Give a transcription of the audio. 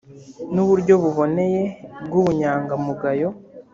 ni uburyo buboneye bw ubunyangamugayo